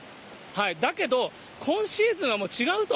だけど、今シーズンはもう違うと。